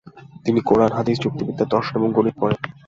তিনি কুরআন, হাদিস, যুক্তিবিদ্যা, দর্শন এবং গণিত পড়েন।